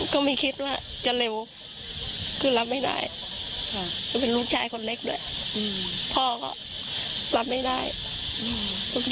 ก็ไม่คิดว่าจะเร็วคือรับไม่ได้ค่ะก็เป็นลูกชายคนเล็กด้วยอืมพ่อก็รับไม่ได้อืม